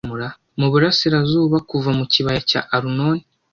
mu burasirazuba, kuva mu kibaya cya arunoni